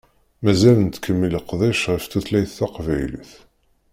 Mazal nettkemmil leqdic ɣef tutlayt taqbaylit.